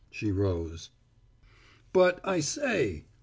She rose. "But, I say!"